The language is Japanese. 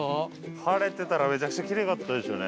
晴れてたらめちゃくちゃキレイだったでしょうね。